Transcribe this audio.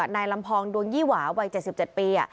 นายลำพองดวงยี่หวาวัย๗๗ปี